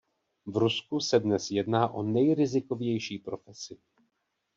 V Rusku se dnes jedná o nejrizikovější profesi.